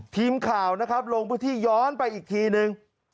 ทีมข่าวนะครับลงพื้นที่ย้อนไปอีกทีนึง